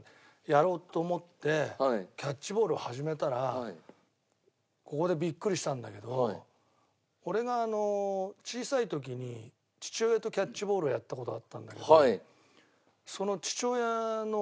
やろうと思ってキャッチボールを始めたらここでビックリしたんだけど俺が小さい時に父親とキャッチボールをやった事があったんだけど。